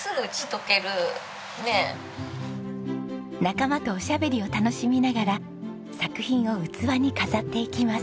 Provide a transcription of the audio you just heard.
仲間とおしゃべりを楽しみながら作品を器に飾っていきます。